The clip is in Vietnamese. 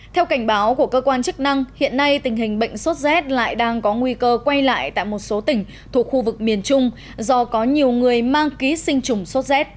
theo cảnh báo của cơ quan chức năng hiện nay tình hình bệnh sốt rét lại đang có nguy cơ quay lại tại một số tỉnh thuộc khu vực miền trung do có nhiều người mang ký sinh trùng sốt rét